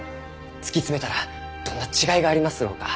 突き詰めたらどんな違いがありますろうか？